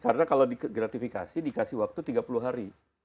karena kalau di gratifikasi dikasih waktu tiga puluh hari